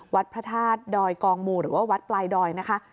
วัดพระธาตุดอยกองหมู่หรือว่าวัดปลายดอยนะคะ